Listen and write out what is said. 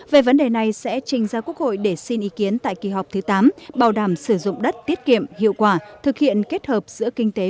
về vấn đề này sẽ trình ra quốc hội để xin ý kiến tại kỳ họp thứ tám bảo đảm sử dụng đất tiết kiệm hiệu quả thực hiện kết hợp giữa kinh tế